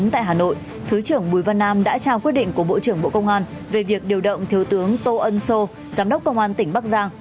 tại hà nội thứ trưởng bùi văn nam đã trao quyết định của bộ trưởng bộ công an về việc điều động thiếu tướng tô ân sô giám đốc công an tỉnh bắc giang